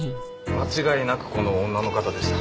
間違いなくこの女の方でした。